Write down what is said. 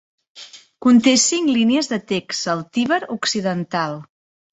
Conté cinc línies de text celtiber occidental.